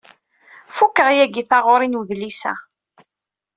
Fukeɣ yagi taɣuri n wedlis-a.